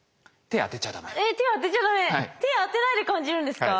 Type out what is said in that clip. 手当てないで感じるんですか？